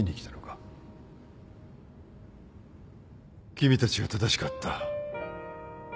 君たちが正しかった。